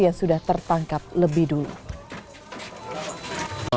yang sudah tertangkap lebih dulu